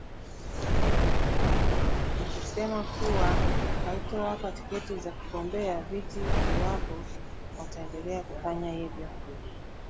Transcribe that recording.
ikisema kuwa haitowapa tiketi za kugombea viti iwapo wataendelea kufanya hivyo